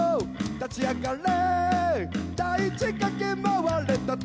立ち上がれ。